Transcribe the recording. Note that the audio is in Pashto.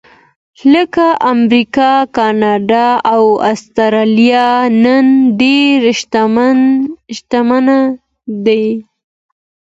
لکه امریکا، کاناډا او اسټرالیا نن ډېر شتمن دي.